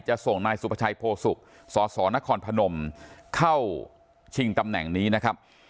ส่งนายสุภาชัยโพสุกสสนครพนมเข้าชิงตำแหน่งนี้นะครับ